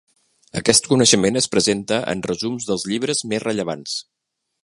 Aquest coneixement es presenta en resums dels llibres més rellevants.